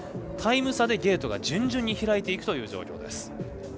タイム差でゲートが準々に開いていくという状況です。